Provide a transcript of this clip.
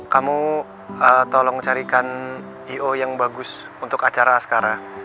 kamu tolong carikan i o yang bagus untuk acara sekarang